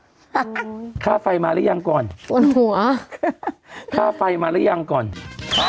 ฮ่าข้าวไฟมารึยังก่อนฮ่าข้าวไฟมารึยังก่อนอ่อนหัว